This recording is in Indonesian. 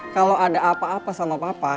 kalau ada apa apa sama papa